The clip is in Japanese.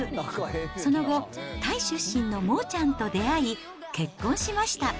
その後、タイ出身のモーちゃんと出会い、結婚しました。